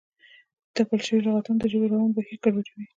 تپل شوي لغتونه د ژبې روان بهیر ګډوډوي.